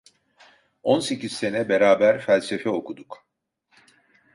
On sekiz sene beraber felsefe okuduk.